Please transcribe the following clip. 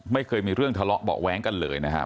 ไม่เคยมีเรื่องทะเลาะเบาะแว้งกันเลยนะครับ